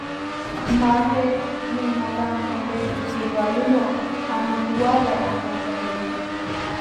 ماهر معماران لومړی د دېوالونو عمودوالی اندازه کوي.